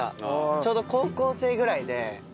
ちょうど高校生ぐらいで。